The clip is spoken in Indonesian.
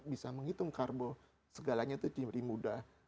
bisa menghitung karbo segalanya itu ciri muda